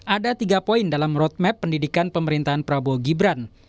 ada tiga poin dalam roadmap pendidikan pemerintahan prabowo gibran